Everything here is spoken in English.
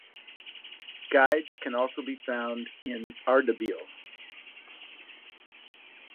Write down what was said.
Guides can also be found in Ardabil.